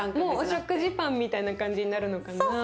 もうお食事パンみたいな感じになるのかな？